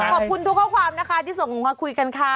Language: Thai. ขอบคุณทุกข้อความนะคะที่ส่งมาคุยกันค่ะ